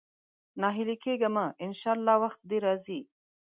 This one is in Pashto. ناهيلی کېږه مه، ان شاءالله وخت دې راځي.